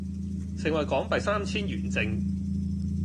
盛惠港幣三千圓正